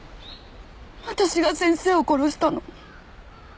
私が先生を殺したの。